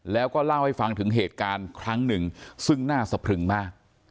แล้วก็เล่าให้ฟังถึงเหตุการณ์ครั้งหนึ่งซึ่งหน้าสะพรึงมาก